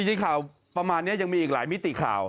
จริงข่าวประมาณนี้ยังมีอีกหลายมิติข่าว